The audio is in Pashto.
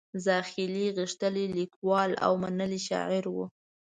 زاخیلي غښتلی لیکوال او منلی شاعر و.